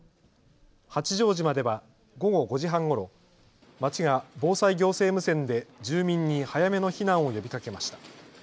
八丈島では午後５時半ごろ町が防災行政無線で住民に早めの避難を呼びかけました。